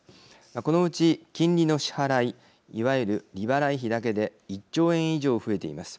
このうち金利の支払いいわゆる利払い費だけで１兆円以上増えています。